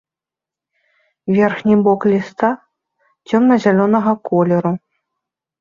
Верхні бок ліста цёмна-зялёнага колеру.